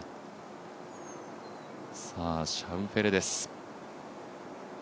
シャウフェレです。